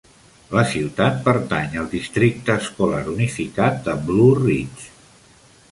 La ciutat pertany al districte escolar unificat de Blue Ridge.